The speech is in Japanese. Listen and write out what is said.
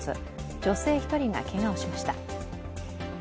女性１人がけがをしました。